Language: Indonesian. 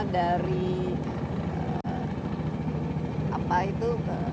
dari apa itu